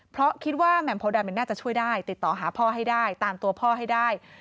เพราะคิดว่าแหม่มโพดำมันน่าจะช่วยได้ติดต่อหาพ่อให้ได้ตามตัวพ่อให้ได้